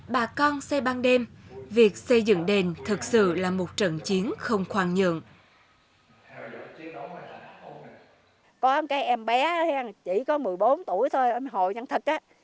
bà con xây dựng đền thờ bác